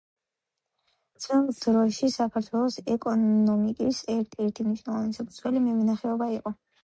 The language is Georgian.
ძველ დროში, საქართველოს ეკონომიკის ერთ–ერთი მნიშვნელოვანი საფუძველი მევენახეობა იყო.